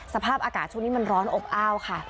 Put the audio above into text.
สภาพอากาศช่วงนี้มันร้อนอบอ้าวค่ะ